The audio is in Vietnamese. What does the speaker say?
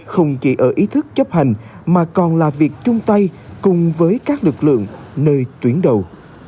không chỉ ở ý thức chấp hành mà còn là việc chung tay cùng với các lực lượng nơi tuyến đầu